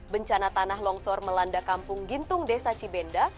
bencana tanah longsor melanda kampung gintung desa cibenda